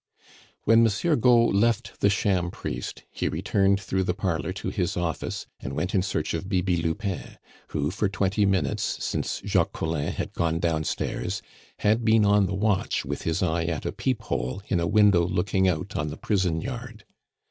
When Monsieur Gault left the sham priest, he returned through the parlor to his office, and went in search of Bibi Lupin, who for twenty minutes, since Jacques Collin had gone downstairs, had been on the watch with his eye at a peephole in a window looking out on the prison yard.